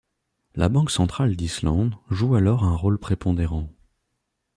La Banque centrale d'Islande joue alors un rôle prépondérant.